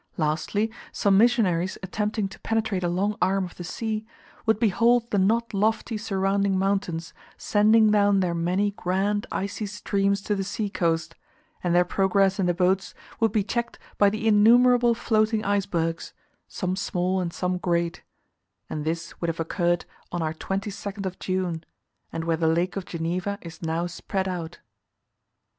Lastly, some missionaries attempting to penetrate a long arm of the sea, would behold the not lofty surrounding mountains, sending down their many grand icy streams to the sea coast, and their progress in the boats would be checked by the innumerable floating icebergs, some small and some great; and this would have occurred on our twenty second of June, and where the Lake of Geneva is now spread out!